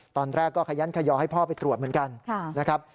ตอนแรกก็ขยันขยอให้พ่อไปตรวจเหมือนกันนะครับ